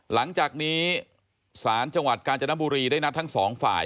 หลังจากนี้ศาลจังหวัดกาญจนบุรีได้นัดทั้งสองฝ่าย